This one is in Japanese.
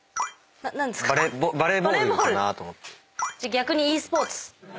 逆にｅスポーツ。